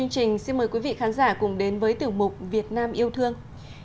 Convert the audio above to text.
xin mời quý vị khán giả cùng đến với tử mục việt nam yêu thương